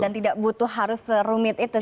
dan tidak butuh harus rumit itu